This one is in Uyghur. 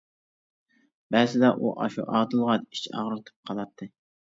بەزىدە ئۇ ئاشۇ ئادىلغا ئىچ ئاغرىتىپ قالاتتى.